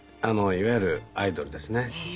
いわゆるアイドルですね。